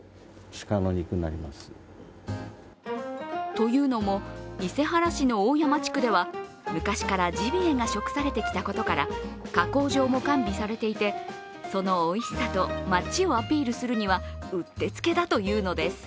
というのも伊勢原市の大山地区では昔からジビエが食されていたことから加工場も完備されていて、そのおいしさと町をアピールするにはうってつけだというのです。